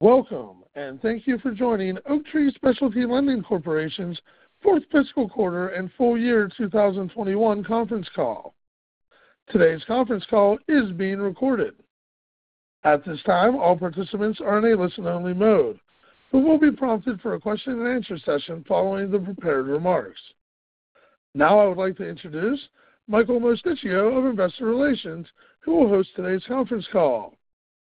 Welcome, and thank you for joining Oaktree Specialty Lending Corporation's Fourth Fiscal Quarter and Full Year 2021 Conference Call. Today's conference call is being recorded. At this time, all participants are in a listen-only mode but will be prompted for a question-and-answer session following the prepared remarks. Now I would like to introduce Michael Mosticchio of Investor Relations, who will host today's conference call.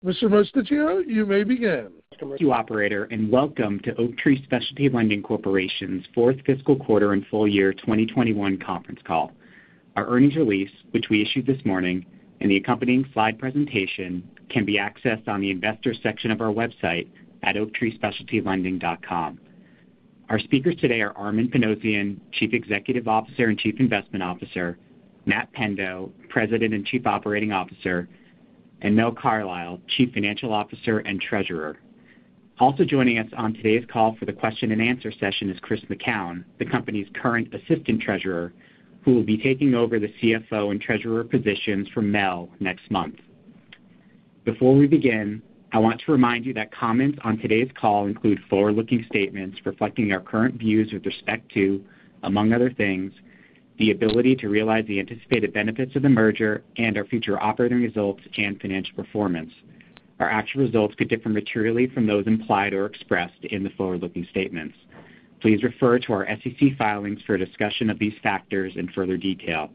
Mr. Mosticchio, you may begin. Thank you, operator, and welcome to Oaktree Specialty Lending Corporation's Fourth Fiscal Quarter and Full Year 2021 Conference Call. Our earnings release, which we issued this morning, and the accompanying slide presentation can be accessed on the Investors section of our website at oaktreespecialtylending.com. Our speakers today are Armen Panossian, Chief Executive Officer and Chief Investment Officer; Matt Pendo, President and Chief Operating Officer; and Mel Carlisle, Chief Financial Officer and Treasurer. Also joining us on today's call for the question-and-answer session is Christopher McKown, the company's current Assistant Treasurer, who will be taking over the CFO and Treasurer positions from Mel next month. Before we begin, I want to remind you that comments on today's call include forward-looking statements reflecting our current views with respect to, among other things, the ability to realize the anticipated benefits of the merger and our future operating results and financial performance. Our actual results could differ materially from those implied or expressed in the forward-looking statements. Please refer to our SEC filings for a discussion of these factors in further detail.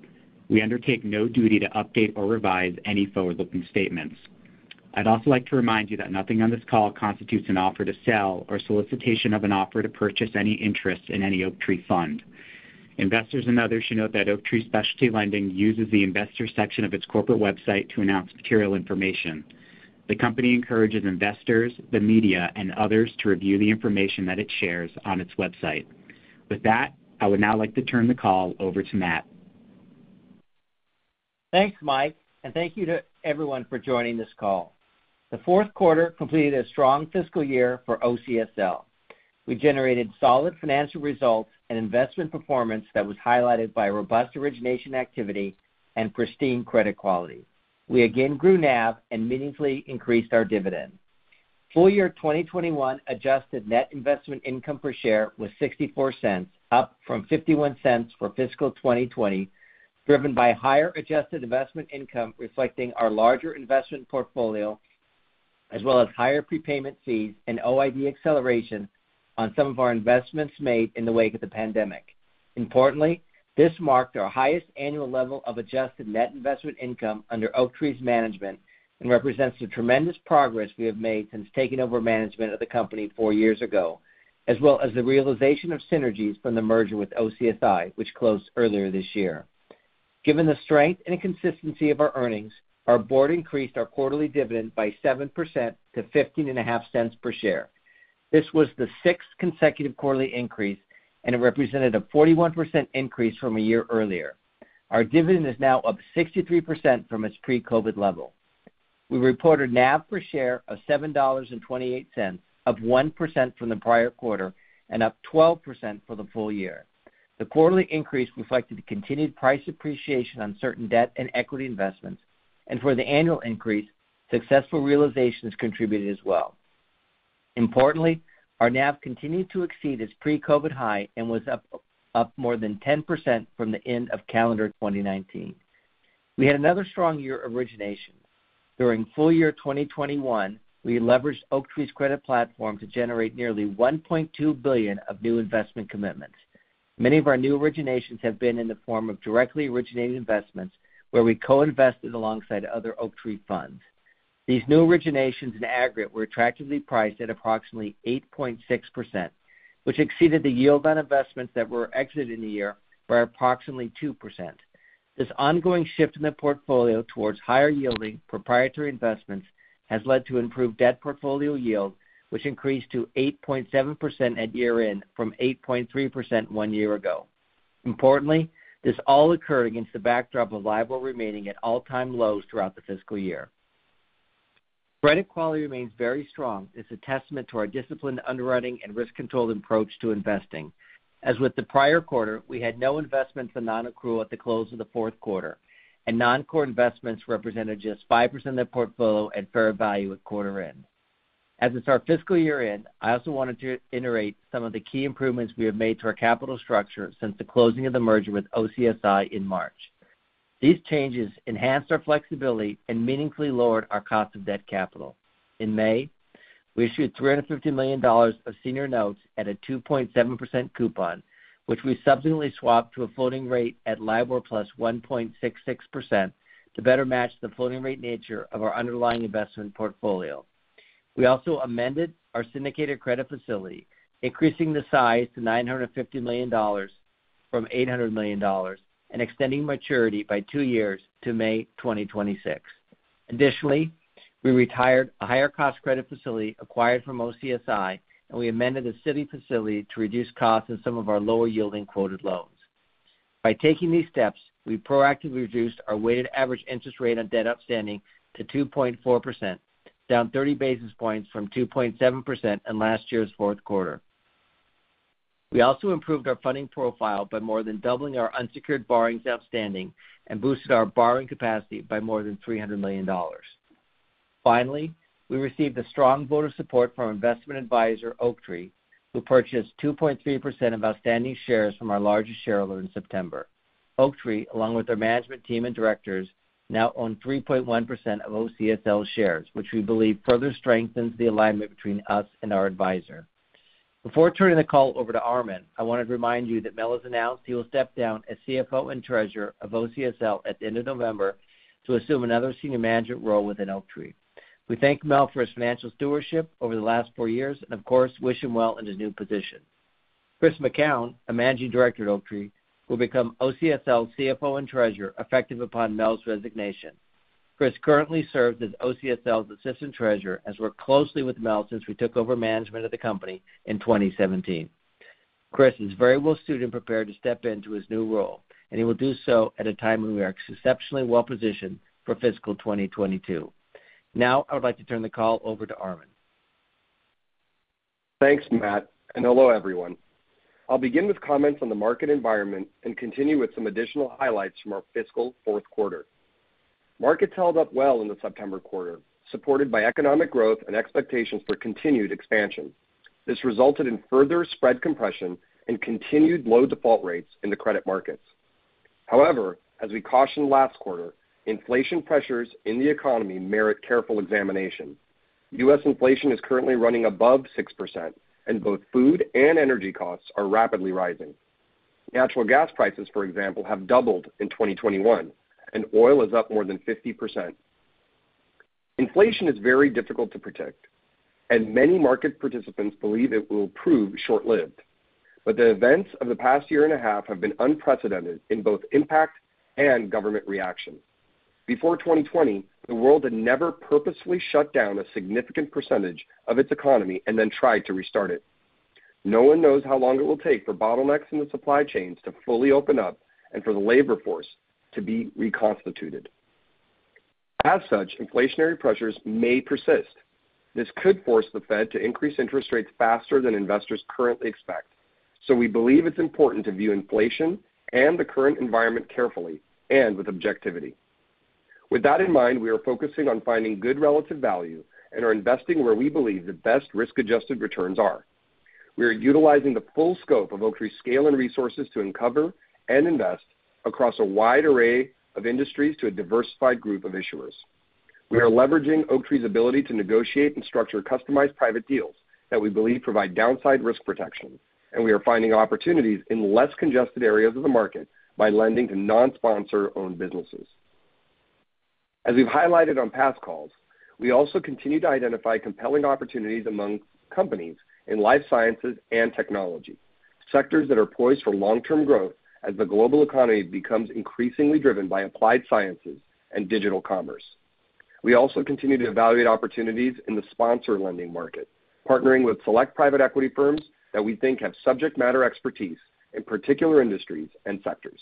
We undertake no duty to update or revise any forward-looking statements. I'd also like to remind you that nothing on this call constitutes an offer to sell or solicitation of an offer to purchase any interest in any Oaktree fund. Investors and others should note that Oaktree Specialty Lending uses the Investors section of its corporate website to announce material information. The company encourages investors, the media, and others to review the information that it shares on its website. With that, I would now like to turn the call over to Matt. Thanks, Mike, and thank you to everyone for joining this call. The Q4 completed a strong fiscal year for OCSL. We generated solid financial results and investment performance that was highlighted by robust origination activity and pristine credit quality. We again grew NAV and meaningfully increased our dividend. Full year 2021 adjusted net investment income per share was $0.64, up from $0.51 for fiscal 2020, driven by higher adjusted investment income reflecting our larger investment portfolio, as well as higher prepayment fees and OID acceleration on some of our investments made in the wake of the pandemic. Importantly, this marked our highest annual level of adjusted net investment income under Oaktree's management and represents the tremendous progress we have made since taking over management of the company 4 years ago, as well as the realization of synergies from the merger with OCSI, which closed earlier this year. Given the strength and consistency of our earnings, our board increased our quarterly dividend by 7% to $0.155 per share. This was the sixth consecutive quarterly increase, and it represented a 41% increase from a year earlier. Our dividend is now up 63% from its pre-COVID level. We reported NAV per share of $7.28, up 1% from the prior quarter and up 12% for the full year. The quarterly increase reflected the continued price appreciation on certain debt and equity investments. For the annual increase, successful realizations contributed as well. Importantly, our NAV continued to exceed its pre-COVID high and was up more than 10% from the end of calendar 2019. We had another strong year of origination. During full year 2021, we leveraged Oaktree's credit platform to generate nearly $1.2 billion of new investment commitments. Many of our new originations have been in the form of directly originated investments where we co-invested alongside other Oaktree funds. These new originations in aggregate were attractively priced at approximately 8.6%, which exceeded the yield on investments that were exited in the year by approximately 2%. This ongoing shift in the portfolio towards higher-yielding proprietary investments has led to improved debt portfolio yield, which increased to 8.7% at year-end from 8.3% one year ago. Importantly, this all occurred against the backdrop of LIBOR remaining at all-time lows throughout the fiscal year. Credit quality remains very strong. It's a testament to our disciplined underwriting and risk-controlled approach to investing. As with the prior quarter, we had no investments on non-accrual at the close of the Q4, and non-core investments represented just 5% of the portfolio at fair value at quarter end. As it's our fiscal year-end, I also wanted to iterate some of the key improvements we have made to our capital structure since the closing of the merger with OCSI in March. These changes enhanced our flexibility and meaningfully lowered our cost of debt capital. In May, we issued $350 million of senior notes at a 2.7% coupon, which we subsequently swapped to a floating rate at LIBOR + 1.66% to better match the floating rate nature of our underlying investment portfolio. We also amended our syndicated credit facility, increasing the size to $950 million from $800 million and extending maturity by two years to May 2026. Additionally, we retired a higher-cost credit facility acquired from OCSI, and we amended a CLO facility to reduce costs in some of our lower-yielding quoted loans. By taking these steps, we proactively reduced our weighted average interest rate on debt outstanding to 2.4%, down 30 basis points from 2.7% in last year's Q4. we also improved our funding profile by more than doubling our unsecured borrowings outstanding and boosted our borrowing capacity by more than $300 million. Finally, we received a strong vote of support from investment advisor Oaktree, who purchased 2.3% of outstanding shares from our largest shareholder in September. Oaktree, along with their management team and directors, now own 3.1% of OCSL shares, which we believe further strengthens the alignment between us and our advisor. Before turning the call over to Armen, I wanted to remind you that Mel has announced he will step down as CFO and Treasurer of OCSL at the end of November to assume another senior management role within Oaktree. We thank Mel for his financial stewardship over the last four years and of course, wish him well in his new position. Christopher McKown, a Managing Director at Oaktree, will become OCSL's CFO and Treasurer, effective upon Mel's resignation. Chris currently serves as OCSL's Assistant Treasurer and has worked closely with Mel since we took over management of the company in 2017. Chris is very well-suited and prepared to step into his new role, and he will do so at a time when we are exceptionally well-positioned for fiscal 2022. Now, I would like to turn the call over to Armen. Thanks, Matt, and hello, everyone. I'll begin with comments on the market environment and continue with some additional highlights from our fiscal Q4. Markets held up well in the September quarter, supported by economic growth and expectations for continued expansion. This resulted in further spread compression and continued low default rates in the credit markets. However, as we cautioned last quarter, inflation pressures in the economy merit careful examination. US inflation is currently running above 6% and both food and energy costs are rapidly rising. Natural gas prices, for example, have doubled in 2021, and oil is up more than 50%. Inflation is very difficult to predict, and many market participants believe it will prove short-lived. The events of the past year and a half have been unprecedented in both impact and government reaction. Before 2020, the world had never purposefully shut down a significant percentage of its economy and then tried to restart it. No one knows how long it will take for bottlenecks in the supply chains to fully open up and for the labor force to be reconstituted. As such, inflationary pressures may persist. This could force the Fed to increase interest rates faster than investors currently expect. We believe it's important to view inflation and the current environment carefully and with objectivity. With that in mind, we are focusing on finding good relative value and are investing where we believe the best risk-adjusted returns are. We are utilizing the full scope of Oaktree's scale and resources to uncover and invest across a wide array of industries to a diversified group of issuers. We are leveraging Oaktree's ability to negotiate and structure customized private deals that we believe provide downside risk protection, and we are finding opportunities in less congested areas of the market by lending to non-sponsor-owned businesses. As we've highlighted on past calls, we also continue to identify compelling opportunities among companies in life sciences and technology, sectors that are poised for long-term growth as the global economy becomes increasingly driven by applied sciences and digital commerce. We also continue to evaluate opportunities in the sponsor lending market, partnering with select private equity firms that we think have subject matter expertise in particular industries and sectors.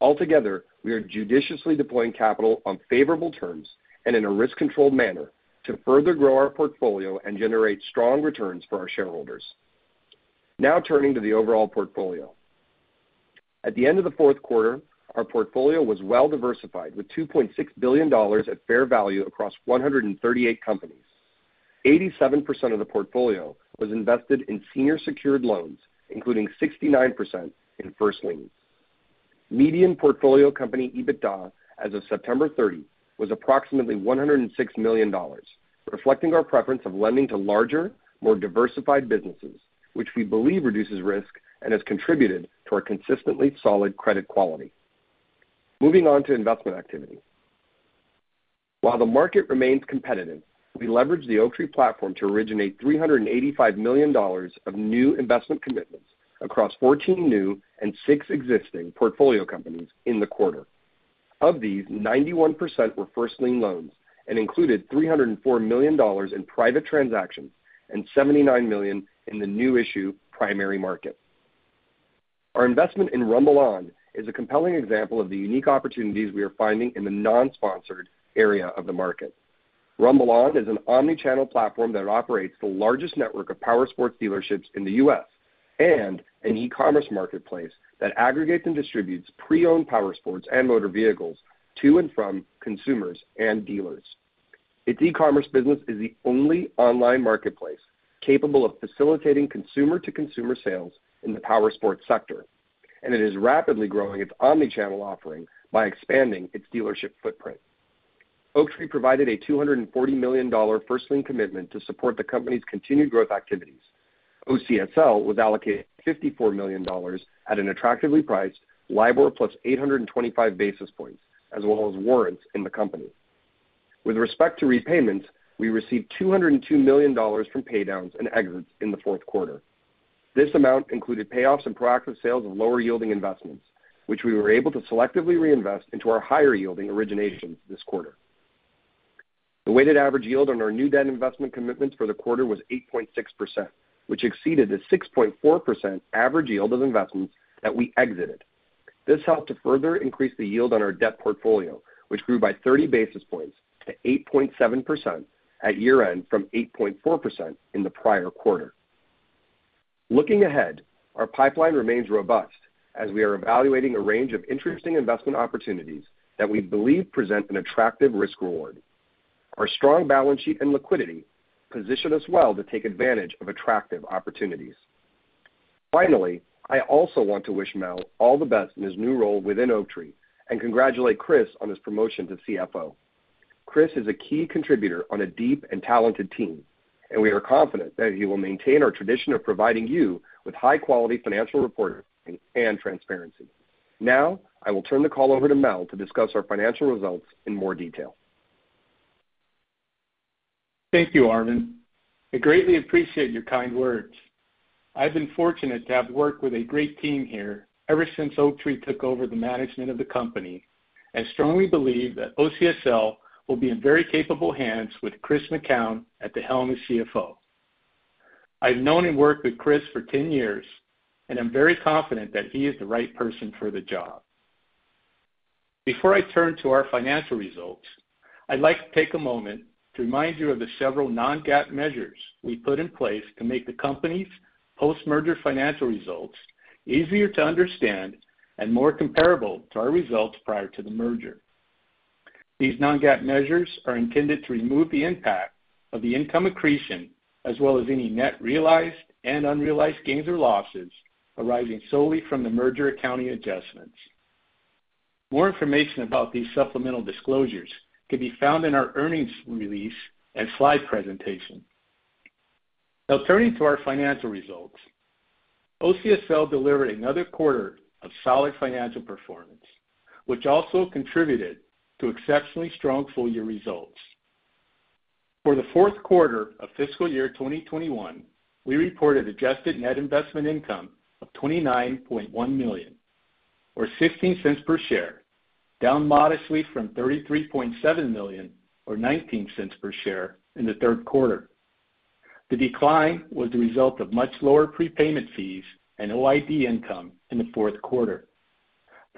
Altogether, we are judiciously deploying capital on favorable terms and in a risk-controlled manner to further grow our portfolio and generate strong returns for our shareholders. Now turning to the overall portfolio. At the end of the Q4, our portfolio was well-diversified with $2.6 billion at fair value across 138 companies. 87% of the portfolio was invested in senior secured loans, including 69% in first liens. Median portfolio company EBITDA as of September 30 was approximately $106 million, reflecting our preference of lending to larger, more diversified businesses, which we believe reduces risk and has contributed to our consistently solid credit quality. Moving on to investment activity. While the market remains competitive, we leveraged the Oaktree platform to originate $385 million of new investment commitments across 14 new and 6 existing portfolio companies in the quarter. Of these, 91% were first lien loans and included $304 million in private transactions and $79 million in the new issue primary market. Our investment in RumbleOn is a compelling example of the unique opportunities we are finding in the non-sponsored area of the market. RumbleOn is an omni-channel platform that operates the largest network of power sports dealerships in the US and an e-commerce marketplace that aggregates and distributes pre-owned power sports and motor vehicles to and from consumers and dealers. Its e-commerce business is the only online marketplace capable of facilitating consumer-to-consumer sales in the power sports sector, and it is rapidly growing its omni-channel offering by expanding its dealership footprint. Oaktree provided a $240 million first lien commitment to support the company's continued growth activities. OCSL was allocated $54 million at an attractively priced LIBOR plus 825 basis points as well as warrants in the company. With respect to repayments, we received $202 million from paydowns and exits in the Q4. This amount included payoffs and proactive sales of lower-yielding investments, which we were able to selectively reinvest into our higher-yielding originations this quarter. The weighted average yield on our new debt investment commitments for the quarter was 8.6%, which exceeded the 6.4% average yield of investments that we exited. This helped to further increase the yield on our debt portfolio, which grew by 30 basis points to 8.7% at year-end from 8.4% in the prior quarter. Looking ahead, our pipeline remains robust as we are evaluating a range of interesting investment opportunities that we believe present an attractive risk-reward. Our strong balance sheet and liquidity position us well to take advantage of attractive opportunities. Finally, I also want to wish Mel all the best in his new role within Oaktree and congratulate Chris on his promotion to CFO. Chris is a key contributor on a deep and talented team, and we are confident that he will maintain our tradition of providing you with high quality financial reporting and transparency. Now, I will turn the call over to Mel to discuss our financial results in more detail. Thank you, Armen. I greatly appreciate your kind words. I've been fortunate to have worked with a great team here ever since Oaktree took over the management of the company. I strongly believe that OCSL will be in very capable hands with Christopher McKown at the helm as CFO. I've known and worked with Chris for 10 years, and I'm very confident that he is the right person for the job. Before I turn to our financial results, I'd like to take a moment to remind you of the several non-GAAP measures we put in place to make the company's post-merger financial results easier to understand and more comparable to our results prior to the merger. These non-GAAP measures are intended to remove the impact of the income accretion, as well as any net realized and unrealized gains or losses arising solely from the merger accounting adjustments. More information about these supplemental disclosures can be found in our earnings release and slide presentation. Now turning to our financial results. OCSL delivered another quarter of solid financial performance, which also contributed to exceptionally strong full-year results. For the Q4 of fiscal year 2021, we reported adjusted net investment income of $29.1 million, or 16 cents per share, down modestly from $33.7 million or 19 cents per share in the Q3. The decline was the result of much lower prepayment fees and OID income in the Q4,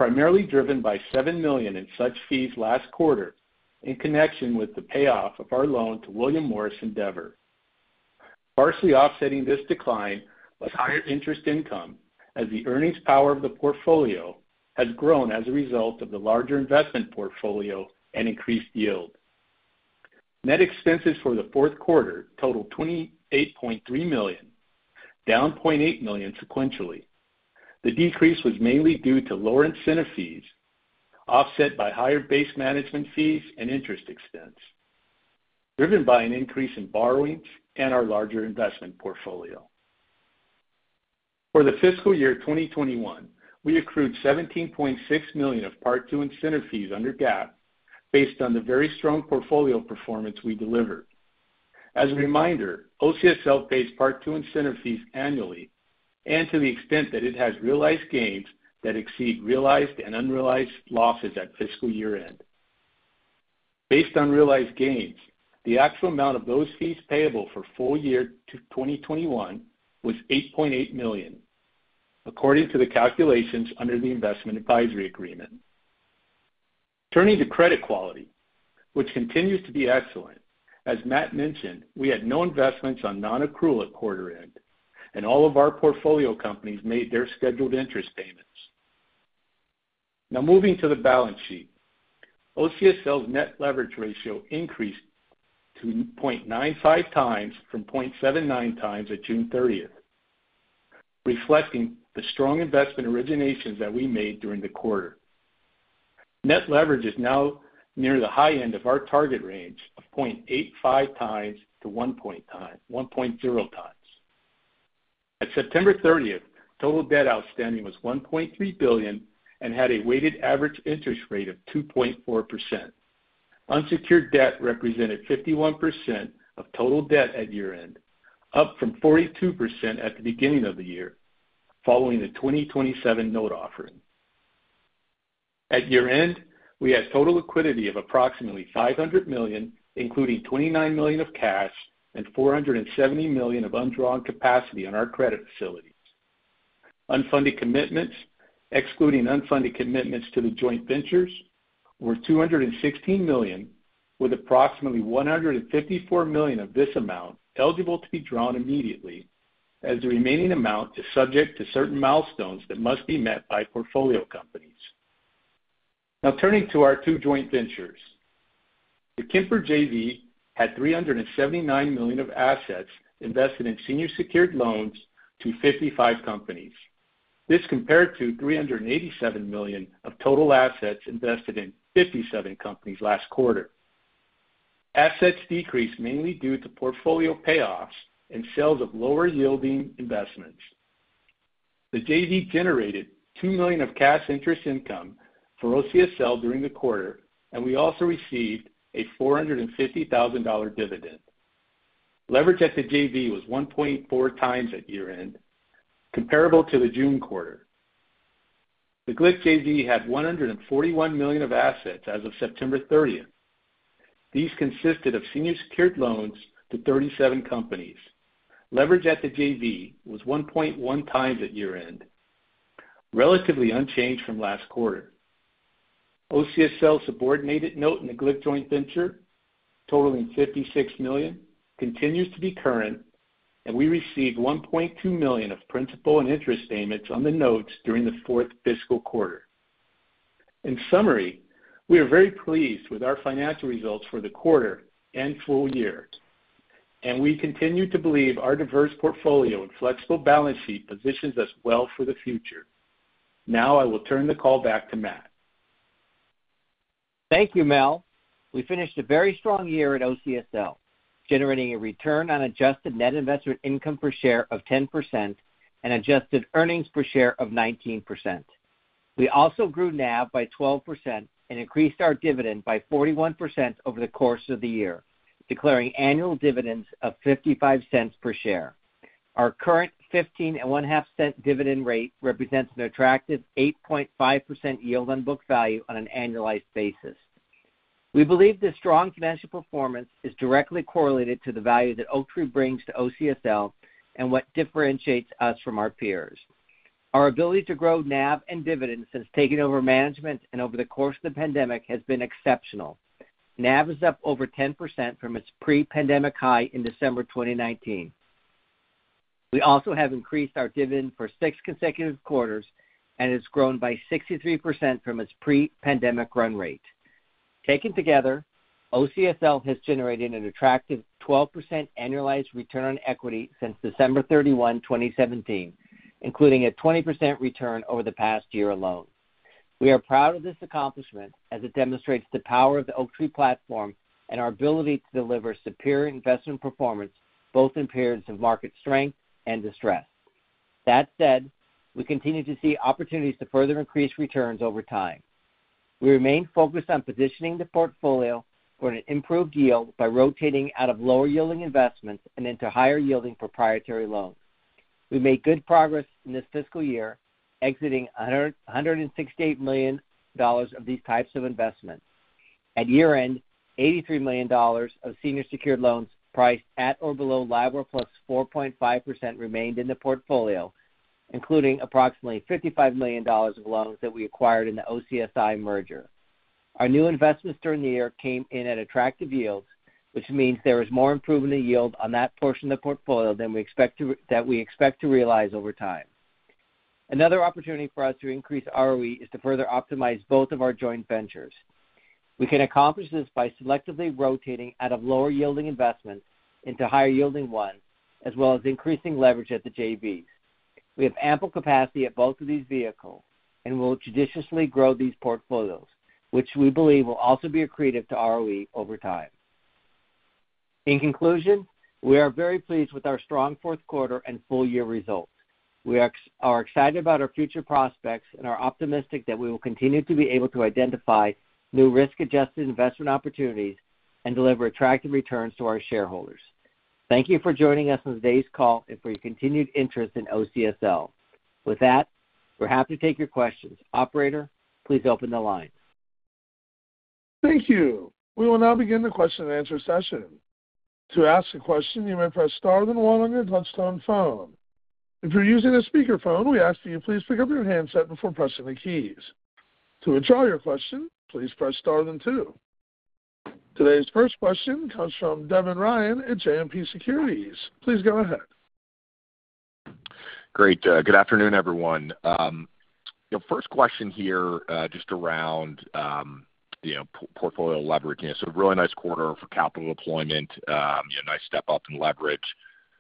primarily driven by $7 million in such fees last quarter in connection with the payoff of our loan to William Morris Endeavor. Partially offsetting this decline was higher interest income, as the earnings power of the portfolio has grown as a result of the larger investment portfolio and increased yield. Net expenses for the Q4 totaled $28.3 million, down $0.8 million sequentially. The decrease was mainly due to lower incentive fees, offset by higher base management fees and interest expense, driven by an increase in borrowings and our larger investment portfolio. For the fiscal year 2021, we accrued $17.6 million of Part II incentive fees under GAAP based on the very strong portfolio performance we delivered. As a reminder, OCSL pays Part II incentive fees annually and to the extent that it has realized gains that exceed realized and unrealized losses at fiscal year-end. Based on realized gains, the actual amount of those fees payable for full year 2021 was $8.8 million, according to the calculations under the investment advisory agreement. Turning to credit quality, which continues to be excellent. As Matt mentioned, we had no investments on non-accrual at quarter end, and all of our portfolio companies made their scheduled interest payments. Now moving to the balance sheet. OCSL's net leverage ratio increased to 0.95 times from 0.79 times at June 30, reflecting the strong investment originations that we made during the quarter. Net leverage is now near the high end of our target range of 0.85 times to 1.0 times. At September 30, total debt outstanding was $1.3 billion and had a weighted average interest rate of 2.4%. Unsecured debt represented 51% of total debt at year-end, up from 42% at the beginning of the year, following the 2027 note offering. At year-end, we had total liquidity of approximately $500 million, including $29 million of cash and $470 million of undrawn capacity on our credit facilities. Unfunded commitments, excluding unfunded commitments to the joint ventures, were $216 million, with approximately $154 million of this amount eligible to be drawn immediately as the remaining amount is subject to certain milestones that must be met by portfolio companies. Now turning to our two joint ventures. The Kemper JV had $379 million of assets invested in senior secured loans to 55 companies. This compared to $387 million of total assets invested in 57 companies last quarter. Assets decreased mainly due to portfolio payoffs and sales of lower yielding investments. The JV generated $2 million of cash interest income for OCSL during the quarter, and we also received a $450,000 dividend. Leverage at the JV was 1.4 times at year-end, comparable to the June quarter. The Glick JV had $141 million of assets as of September 30. These consisted of senior secured loans to 37 companies. Leverage at the JV was 1.1x at year-end, relatively unchanged from last quarter. OCSL subordinated note in the Glick joint venture totaling $56 million continues to be current, and we received $1.2 million of principal and interest payments on the notes during the fourth fiscal quarter. In summary, we are very pleased with our financial results for the quarter and full year, and we continue to believe our diverse portfolio and flexible balance sheet positions us well for the future. Now, I will turn the call back to Matt. Thank you, Mel. We finished a very strong year at OCSL, generating a return on adjusted net investment income per share of 10% and adjusted earnings per share of 19%. We also grew NAV by 12% and increased our dividend by 41% over the course of the year, declaring annual dividends of $0.55 per share. Our current 15.5-cent dividend rate represents an attractive 8.5% yield on book value on an annualized basis. We believe this strong financial performance is directly correlated to the value that Oaktree brings to OCSL and what differentiates us from our peers. Our ability to grow NAV and dividends since taking over management and over the course of the pandemic has been exceptional. NAV is up over 10% from its pre-pandemic high in December 2019. We also have increased our dividend for six consecutive quarters and has grown by 63% from its pre-pandemic run rate. Taken together, OCSL has generated an attractive 12% annualized return on equity since December 31, 2017, including a 20% return over the past year alone. We are proud of this accomplishment as it demonstrates the power of the Oaktree platform and our ability to deliver superior investment performance, both in periods of market strength and distress. That said, we continue to see opportunities to further increase returns over time. We remain focused on positioning the portfolio for an improved yield by rotating out of lower yielding investments and into higher yielding proprietary loans. We made good progress in this fiscal year exiting $168 million of these types of investments. At year-end, $83 million of senior secured loans priced at or below LIBOR plus 4.5% remained in the portfolio, including approximately $55 million of loans that we acquired in the OCSI merger. Our new investments during the year came in at attractive yields, which means there is more improvement in yield on that portion of the portfolio than that we expect to realize over time. Another opportunity for us to increase ROE is to further optimize both of our joint ventures. We can accomplish this by selectively rotating out of lower yielding investments into higher yielding ones, as well as increasing leverage at the JVs. We have ample capacity at both of these vehicles and will judiciously grow these portfolios, which we believe will also be accretive to ROE over time. In conclusion, we are very pleased with our strong Q4 and full year results. We are excited about our future prospects and are optimistic that we will continue to be able to identify new risk-adjusted investment opportunities and deliver attractive returns to our shareholders. Thank you for joining us on today's call and for your continued interest in OCSL. With that, we're happy to take your questions. Operator, please open the line. Thank you. We will now begin the question-and-answer session. To ask a question, you may press star then one on your touchtone phone. If you're using a speaker phone, we ask that you please pick up your handset before pressing the keys. To withdraw your question, please press star then two. Today's first question comes from Devin Ryan at JMP Securities. Please go ahead. Great. Good afternoon, everyone. You know, first question here, just around, you know, portfolio leverage. You know, so really nice quarter for capital deployment. You know, nice step up in leverage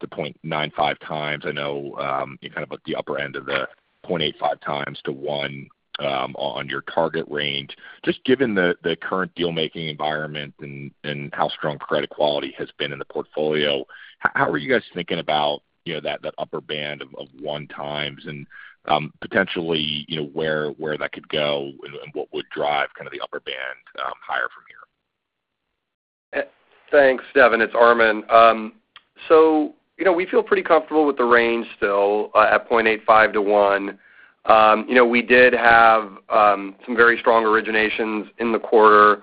to 0.95 times. I know, you're kind of at the upper end of the 0.85 times to 1 on your target range. Just given the current deal-making environment and how strong credit quality has been in the portfolio, how are you guys thinking about, you know, that upper band of 1 times and, potentially, you know, where that could go and what would drive kind of the upper band higher from here? Thanks, Devin. It's Armen. So, you know, we feel pretty comfortable with the range still at 0.85-1. You know, we did have some very strong originations in the quarter,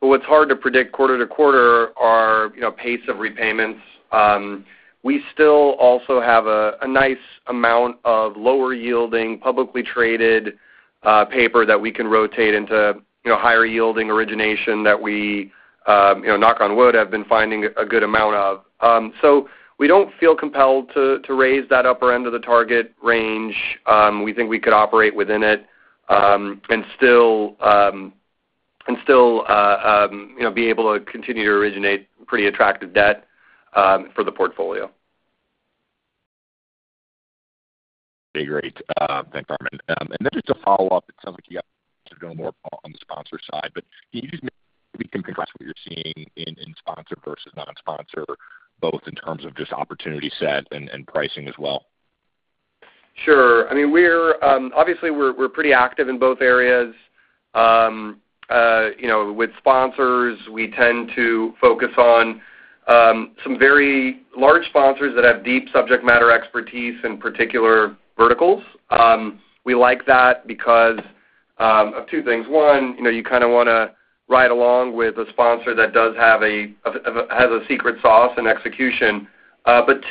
but what's hard to predict quarter to quarter are, you know, pace of repayments. We still also have a nice amount of lower yielding, publicly traded paper that we can rotate into, you know, higher yielding origination that we, you know, knock on wood, have been finding a good amount of. So we don't feel compelled to raise that upper end of the target range. We think we could operate within it and still, you know, be able to continue to originate pretty attractive debt for the portfolio. Okay, great. Thanks, Armen. Just a follow-up. It sounds like you guys are doing more on the sponsor side, but can you just maybe contrast what you're seeing in sponsor versus non-sponsor, both in terms of just opportunity set and pricing as well? Sure. I mean, we're obviously pretty active in both areas. You know, with sponsors, we tend to focus on some very large sponsors that have deep subject matter expertise in particular verticals. We like that because of two things. One, you know, you kinda wanna ride along with a sponsor that does have a secret sauce in execution.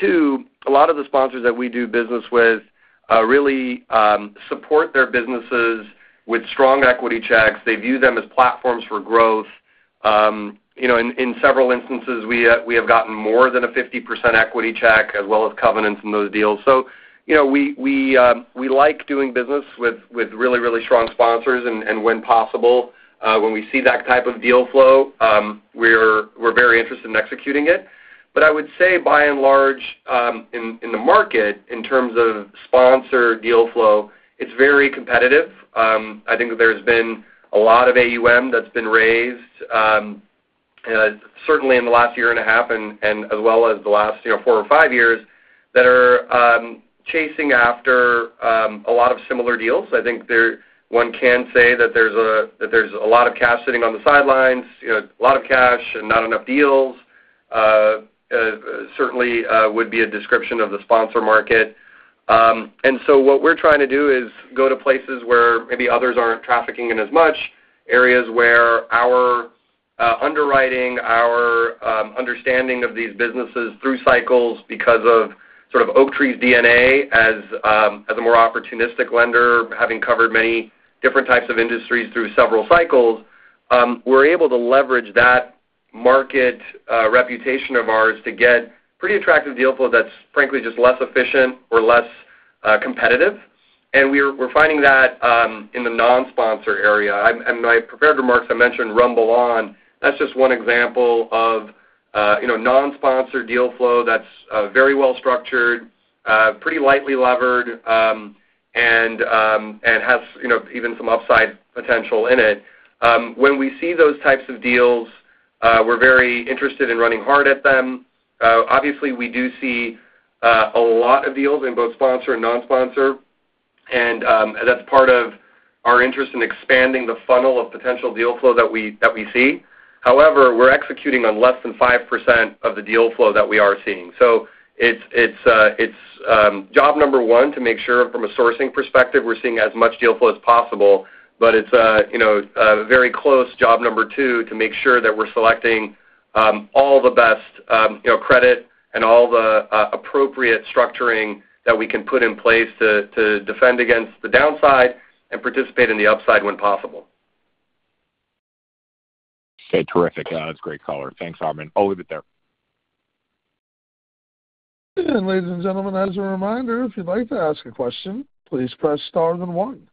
Two, a lot of the sponsors that we do business with really support their businesses with strong equity checks. They view them as platforms for growth. You know, in several instances, we have gotten more than a 50% equity check as well as covenants in those deals. You know, we like doing business with really strong sponsors and when possible, when we see that type of deal flow, we're very interested in executing it. I would say by and large, in the market, in terms of sponsor deal flow, it's very competitive. I think that there's been a lot of AUM that's been raised, certainly in the last year and a half and as well as the last, you know, four or five years, that are chasing after a lot of similar deals. I think one can say that there's a lot of cash sitting on the sidelines, you know, a lot of cash and not enough deals, certainly, would be a description of the sponsor market. What we're trying to do is go to places where maybe others aren't trafficking in as much, areas where our underwriting, our understanding of these businesses through cycles because of sort of Oaktree's DNA as a more opportunistic lender, having covered many different types of industries through several cycles, we're able to leverage that market reputation of ours to get pretty attractive deal flow that's frankly just less efficient or less competitive. We're finding that in the non-sponsor area. In my prepared remarks, I mentioned RumbleOn. That's just one example of, you know, non-sponsor deal flow that's very well structured, pretty lightly levered, and has, you know, even some upside potential in it. When we see those types of deals, we're very interested in running hard at them. Obviously, we do see a lot of deals in both sponsor and non-sponsor, and that's part of our interest in expanding the funnel of potential deal flow that we see. However, we're executing on less than 5% of the deal flow that we are seeing. It's job number one to make sure from a sourcing perspective we're seeing as much deal flow as possible, but you know, it's a very close job number two to make sure that we're selecting all the best you know credit and all the appropriate structuring that we can put in place to defend against the downside and participate in the upside when possible. Okay, terrific. That's great color. Thanks, Armen. I'll leave it there. Ladies and gentlemen, as a reminder, if you'd like to ask a question, please press star then one.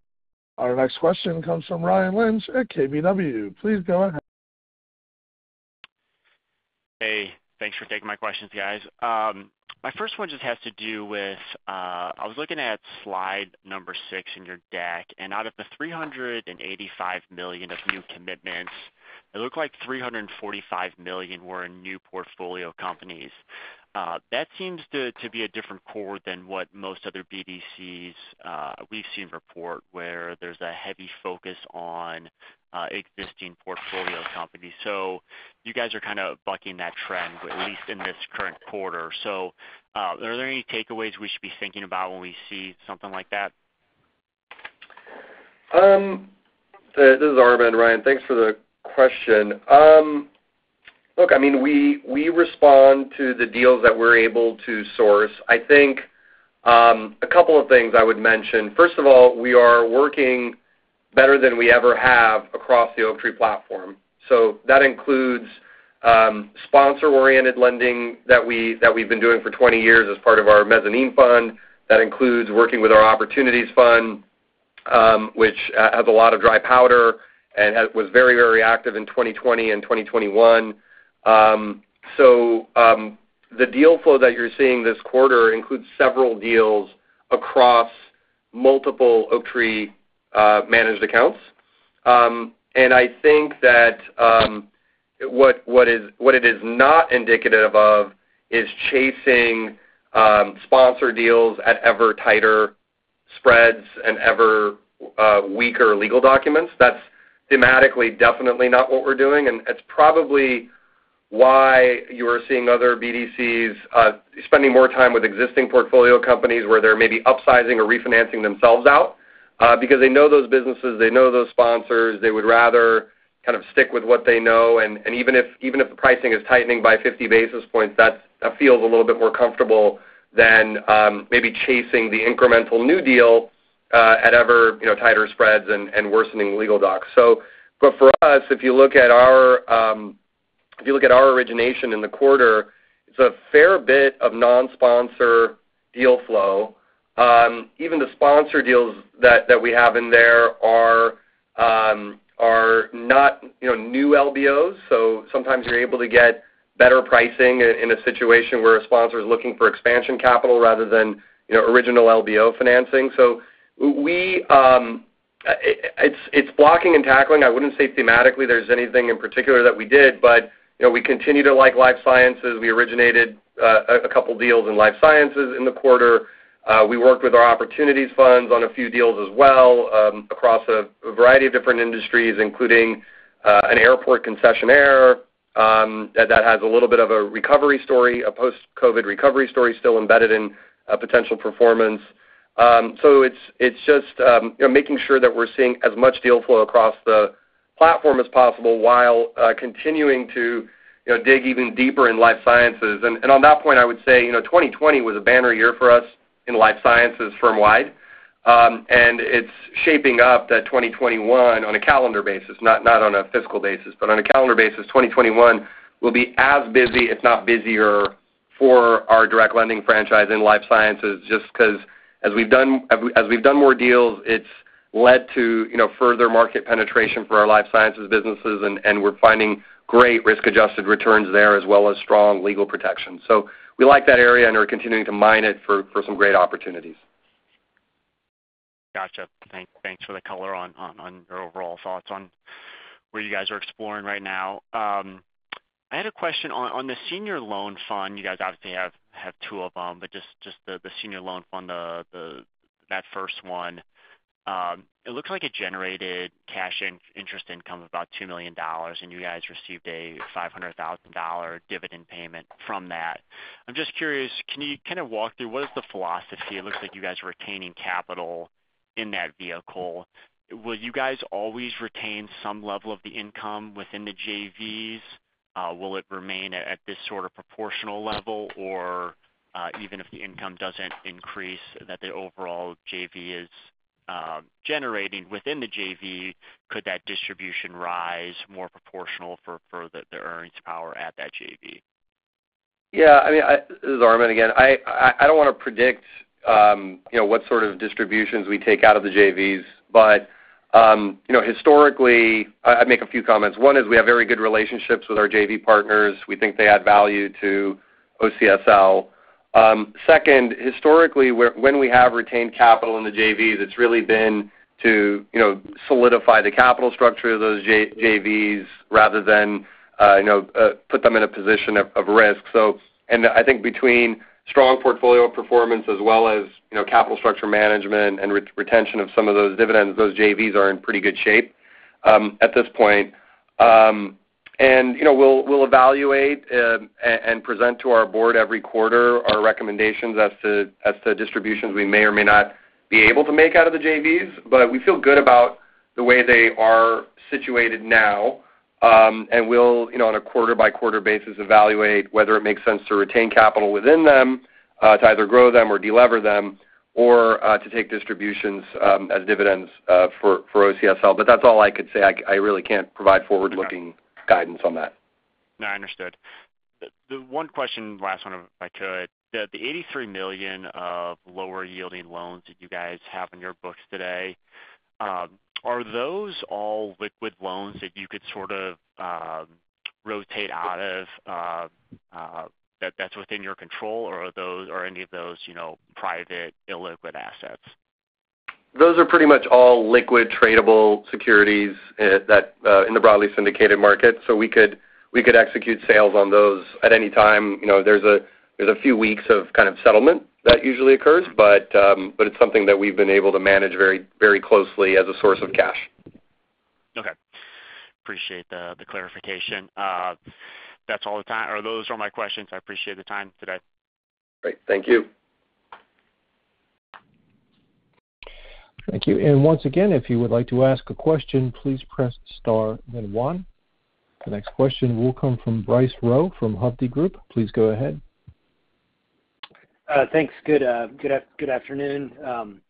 Our next question comes from Ryan Lynch at KBW. Please go ahead. Hey, thanks for taking my questions, guys. My first one just has to do with, I was looking at slide number 6 in your deck, and out of the $385 million of new commitments, it looked like $345 million were in new portfolio companies. That seems to be a different core than what most other BDCs we've seen report, where there's a heavy focus on existing portfolio companies. You guys are kinda bucking that trend, at least in this current quarter. Are there any takeaways we should be thinking about when we see something like that? This is Armen, Ryan. Thanks for the question. Look, I mean, we respond to the deals that we're able to source. I think a couple of things I would mention. First of all, we are working better than we ever have across the Oaktree platform. That includes sponsor-oriented lending that we've been doing for 20 years as part of our mezzanine fund. That includes working with our opportunities fund, which has a lot of dry powder and was very, very active in 2020 and 2021. The deal flow that you're seeing this quarter includes several deals across multiple Oaktree managed accounts. I think that what it is not indicative of is chasing sponsor deals at ever tighter spreads and ever weaker legal documents. That's thematically definitely not what we're doing, and it's probably why you're seeing other BDCs spending more time with existing portfolio companies where they're maybe upsizing or refinancing themselves out because they know those businesses, they know those sponsors, they would rather kind of stick with what they know, and even if the pricing is tightening by 50 basis points, that feels a little bit more comfortable than maybe chasing the incremental new deal at ever you know tighter spreads and worsening legal docs. For us, if you look at our origination in the quarter, it's a fair bit of non-sponsor deal flow. Even the sponsor deals that we have in there are, you know, not new LBOs, so sometimes you're able to get better pricing in a situation where a sponsor is looking for expansion capital rather than, you know, original LBO financing. It's blocking and tackling. I wouldn't say thematically there's anything in particular that we did, but, you know, we continue to like life sciences. We originated a couple deals in life sciences in the quarter. We worked with our opportunities funds on a few deals as well, across a variety of different industries, including an airport concessionaire that has a little bit of a recovery story, a post-COVID recovery story still embedded in potential performance. It's just you know making sure that we're seeing as much deal flow across the platform as possible while continuing to you know dig even deeper in life sciences. On that point, I would say you know 2020 was a banner year for us in life sciences firm-wide. It's shaping up that 2021, on a calendar basis, not on a fiscal basis, but on a calendar basis, 2021 will be as busy, if not busier, for our direct lending franchise in life sciences. Just 'cause as we've done more deals, it's led to you know further market penetration for our life sciences businesses and we're finding great risk-adjusted returns there as well as strong legal protection. We like that area and are continuing to mine it for some great opportunities. Gotcha. Thanks for the color on your overall thoughts on where you guys are exploring right now. I had a question on the senior loan fund. You guys obviously have two of them, but just the senior loan fund, that first one, it looks like it generated cash interest income of about $2 million and you guys received a $500,000 dividend payment from that. I'm just curious, can you kind of walk through what is the philosophy? It looks like you guys are retaining capital in that vehicle. Will you guys always retain some level of the income within the JVs? Will it remain at this sort of proportional level? Even if the income doesn't increase that the overall JV is generating within the JV, could that distribution rise more proportional for the earnings power at that JV? Yeah. I mean, this is Armen again. I don't wanna predict, you know, what sort of distributions we take out of the JVs. You know, historically, I'd make a few comments. One is we have very good relationships with our JV partners. We think they add value to OCSL. Second, historically, when we have retained capital in the JVs, it's really been to, you know, solidify the capital structure of those JVs rather than, you know, put them in a position of risk. I think between strong portfolio performance as well as, you know, capital structure management and retention of some of those dividends, those JVs are in pretty good shape, at this point. You know, we'll evaluate and present to our board every quarter our recommendations as to distributions we may or may not be able to make out of the JVs. We feel good about the way they are situated now, and we'll, you know, on a quarter-by-quarter basis, evaluate whether it makes sense to retain capital within them to either grow them or de-lever them or to take distributions as dividends for OCSL. That's all I could say. I really can't provide forward-looking guidance on that. No, I understood. The one question, last one if I could. The $83 million of lower yielding loans that you guys have in your books today, are those all liquid loans that you could sort of rotate out of, that's within your control? Or are any of those, you know, private illiquid assets? Those are pretty much all liquid tradable securities that in the broadly syndicated market. We could execute sales on those at any time. You know, there's a few weeks of kind of settlement that usually occurs, but it's something that we've been able to manage very closely as a source of cash. Okay. Appreciate the clarification. That's all the time or those are my questions. I appreciate the time today. Great. Thank you. Thank you. Once again, if you would like to ask a question, please press star then one. The next question will come from Bryce Rowe from Hovde Group. Please go ahead. Thanks. Good afternoon.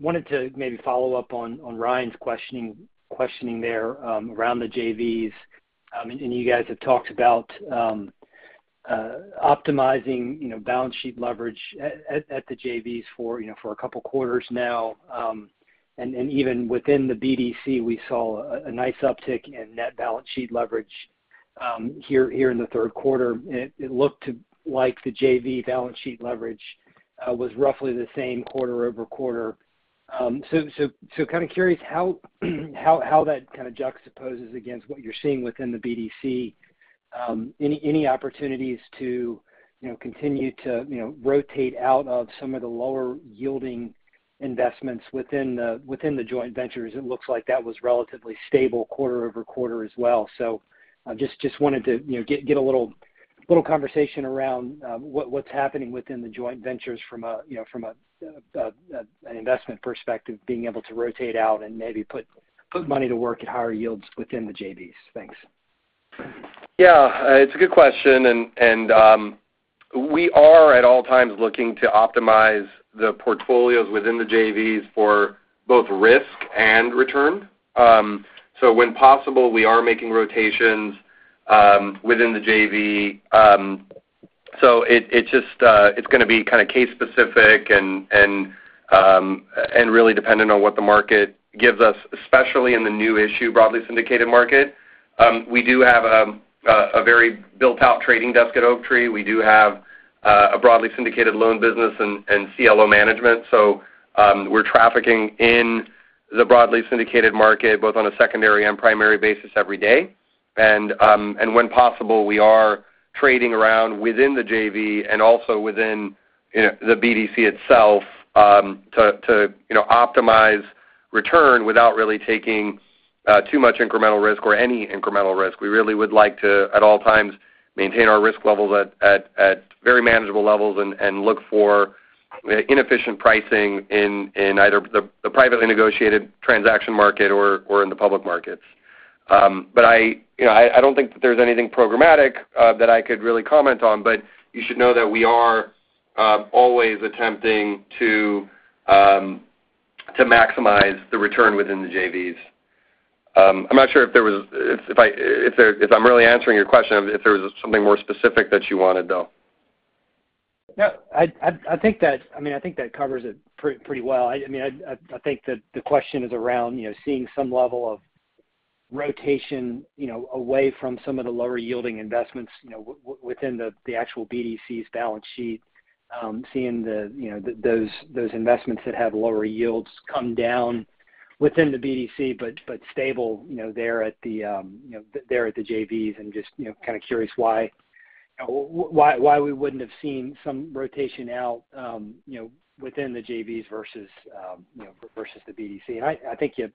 Wanted to maybe follow up on Ryan's questioning there around the JVs. You guys have talked about optimizing, you know, balance sheet leverage at the JVs for, you know, for a couple quarters now. Even within the BDC, we saw a nice uptick in net balance sheet leverage here in the Q3. It looked like the JV balance sheet leverage was roughly the same quarter-over-quarter. Kinda curious how that kinda juxtaposes against what you're seeing within the BDC. Any opportunities to, you know, continue to, you know, rotate out of some of the lower yielding investments within the joint ventures? It looks like that was relatively stable quarter over quarter as well. Just wanted to, you know, get a little conversation around what's happening within the joint ventures from a, you know, from an investment perspective, being able to rotate out and maybe put money to work at higher yields within the JVs. Thanks. Yeah. It's a good question. We are at all times looking to optimize the portfolios within the JVs for both risk and return. When possible, we are making rotations within the JV. It's gonna be kinda case specific and really dependent on what the market gives us, especially in the new issue broadly syndicated market. We do have a very built out trading desk at Oaktree. We do have a broadly syndicated loan business and CLO management. We're trading in the broadly syndicated market, both on a secondary and primary basis every day. When possible, we are trading around within the JV and also within, you know, the BDC itself, to, you know, optimize return without really taking too much incremental risk or any incremental risk. We really would like to, at all times, maintain our risk levels at very manageable levels and look for inefficient pricing in either the privately negotiated transaction market or in the public markets. I, you know, don't think that there's anything programmatic that I could really comment on, but you should know that we are always attempting to maximize the return within the JVs. I'm not sure if I'm really answering your question, if there was something more specific that you wanted, though. No, I think that, I mean, I think that the question is around, you know, seeing some level of rotation, you know, away from some of the lower yielding investments, you know, within the actual BDC's balance sheet, seeing the, you know, those investments that have lower yields come down within the BDC, but stable, you know, there at the JVs and just, you know, kind of curious why we wouldn't have seen some rotation out, you know, within the JVs versus, you know, versus the BDC. I think you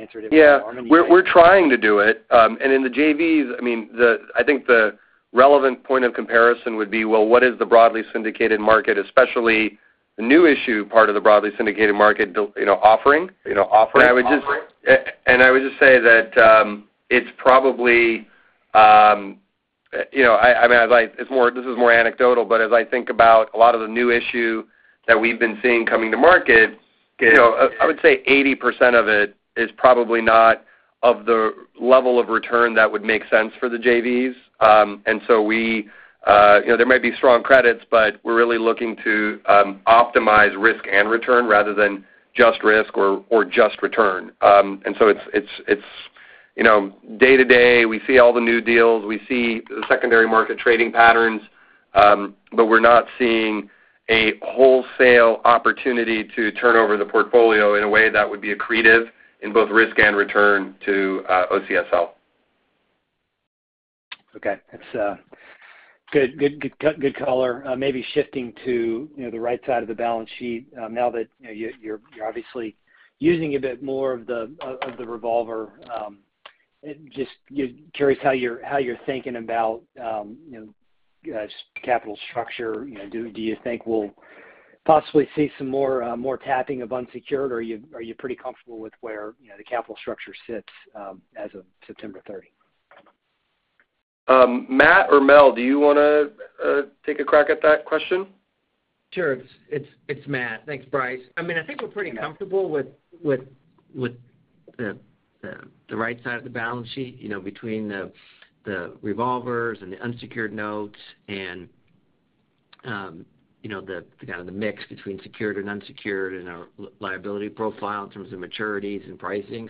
answered it well. Yeah. We're trying to do it. In the JVs, I mean, I think the relevant point of comparison would be, well, what is the broadly syndicated market, especially the new issue part of the broadly syndicated market, the, you know, offering, you know, offering? Offering. I would just say that it's probably, you know. I mean, it's more, this is more anecdotal, but as I think about a lot of the new issue that we've been seeing coming to market, you know, I would say 80% of it is probably not of the level of return that would make sense for the JVs. There might be strong credits, but we're really looking to optimize risk and return rather than just risk or just return. It's, you know, day to day, we see all the new deals, we see the secondary market trading patterns, but we're not seeing a wholesale opportunity to turn over the portfolio in a way that would be accretive in both risk and return to OCSL. Okay. That's good color. Maybe shifting to, you know, the right side of the balance sheet now that, you know, you're obviously using a bit more of the revolver. Just curious how you're thinking about, you know, capital structure. You know, do you think we'll possibly see some more tapping of unsecured or are you pretty comfortable with where, you know, the capital structure sits as of September 30? Matt or Mel, do you wanna take a crack at that question? Sure. It's Matt. Thanks, Bryce. I mean, I think we're pretty comfortable with the right side of the balance sheet, you know, between the revolvers and the unsecured notes and, you know, the kind of the mix between secured and unsecured and our liability profile in terms of maturities and pricing.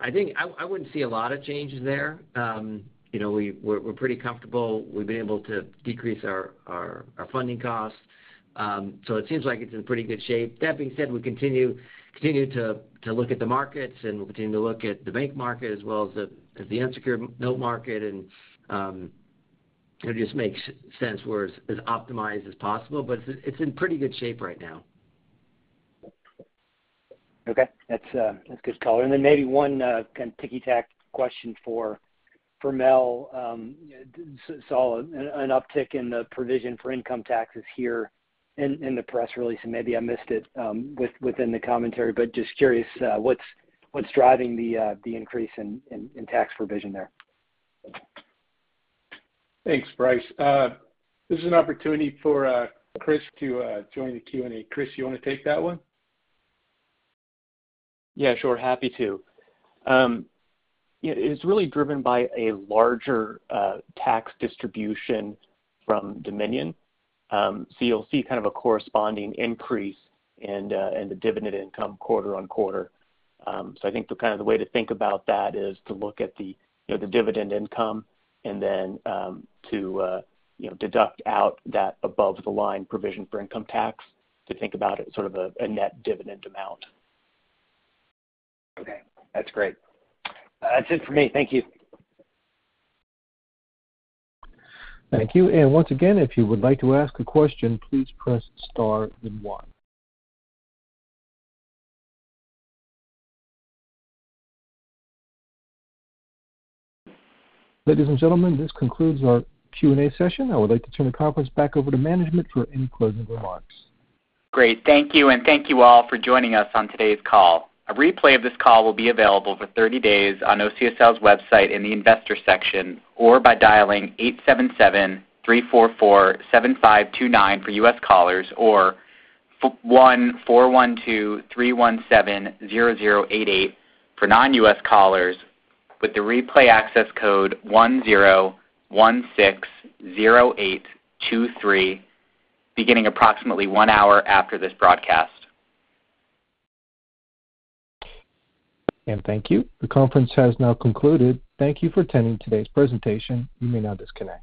I think I wouldn't see a lot of changes there. You know, we're pretty comfortable. We've been able to decrease our funding costs. It seems like it's in pretty good shape. That being said, we continue to look at the markets and we'll continue to look at the bank market as well as the unsecured m-note market and it just makes sense we're as optimized as possible, but it's in pretty good shape right now. Okay. That's good color. Maybe one kind of nitpicky question for Mel. Saw an uptick in the provision for income taxes here in the press release, and maybe I missed it within the commentary, but just curious what's driving the increase in tax provision there? Thanks, Bryce. This is an opportunity for Chris to join the Q&A. Chris, you wanna take that one? Yeah, sure. Happy to. Yeah, it's really driven by a larger tax distribution from Dominion. You'll see kind of a corresponding increase in the dividend income quarter on quarter. I think the kind of way to think about that is to look at the, you know, the dividend income and then to, you know, deduct out that above the line provision for income tax to think about it sort of a net dividend amount. Okay, that's great. That's it for me. Thank you. Thank you. Once again, if you would like to ask a question, please press star then one. Ladies and gentlemen, this concludes our Q&A session. I would like to turn the conference back over to management for any closing remarks. Great. Thank you, and thank you all for joining us on today's call. A replay of this call will be available for 30 days on OCSL's website in the investor section, or by dialing 877-344-7529 for US callers or 1-412-317-0088 for non-US callers with the replay access code 10160823 beginning approximately one hour after this broadcast. Thank you. The conference has now concluded. Thank you for attending today's presentation. You may now disconnect.